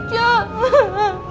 tipis oke kan pak